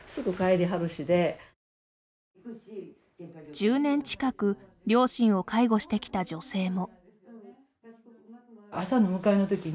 １０年近く両親を介護してきた女性も。